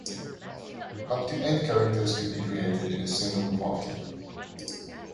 Up to eight characters could be created in a single party.